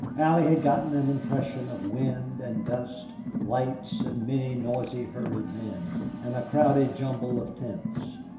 Allie had gotten an impression of wind and dust, lights and many noisy hurried men, and a crowded jumble of tents.